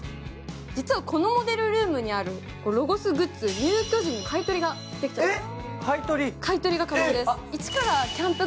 実はこのモデルルームにあるロゴスグッズ、入居時に買い取りができちゃいます。